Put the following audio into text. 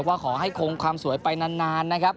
ว่าขอให้คงความสวยไปนานนะครับ